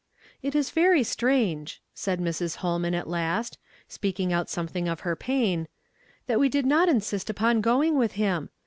"It is very strange," said Mrs. Holman at last, speaking out something of her pain, « that we did not insist upon going with him.